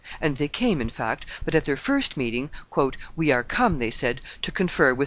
And they came, in fact, but at their first meeting, "We are come," they said, "to confer with M.